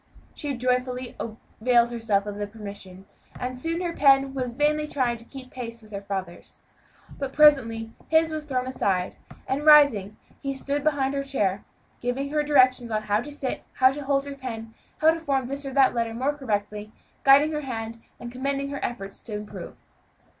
She joyfully availed herself of the permission, and soon her pen was vainly trying to keep pace with her father's. But presently his was thrown aside, and rising, he stood behind her chair, giving her directions how to sit, how to hold the pen, how to form this or that letter more correctly, guiding her hand, and commending her efforts to improve.